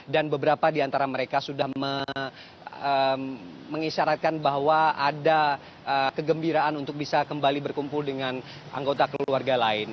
dan beberapa diantara mereka sudah mengisyaratkan bahwa ada kegembiraan untuk bisa kembali berkumpul dengan anggota keluarga lain